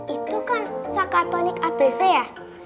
itu kan sakatonik abc ya